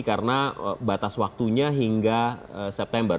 karena batas waktunya hingga september